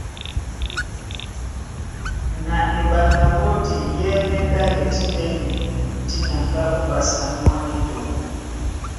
Na eɓanda a mbódi é ɛ́nɛ́ ɗále díndɛ́nɛ dí naŋgá ó mbásǎn mwá ní toŋgo.